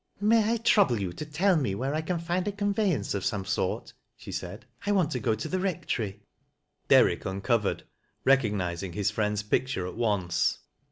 " May I trDTible you to tell me where I can find a con yeyanoe of some sort," she said. " I want to go tc the Rectory," Derrijk uncovered, recognizing his friend's picture at once.